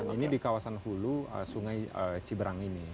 ini di kawasan hulu sungai ciberang ini